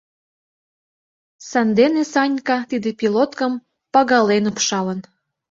Сандене Санька тиде пилоткым пагален упшалын.